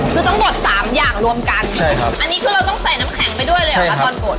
คือทั้งหมดสามอย่างรวมกันใช่ครับอันนี้คือเราต้องใส่น้ำแข็งไปด้วยเลยเหรอคะตอนกด